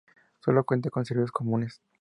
Sólo cuenta con servicios comunes.